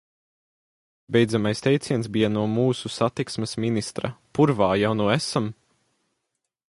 Beidzamais teiciens bija no mūsu satiksmes ministra: purvā jau nu esam!